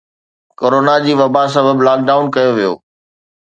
corona جي وبا سبب لاڪ ڊائون ڪيو ويو